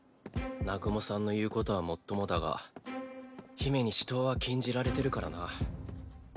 南雲さんの言うことはもっともだが姫に私闘は禁じられてるからな。